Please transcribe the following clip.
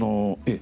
え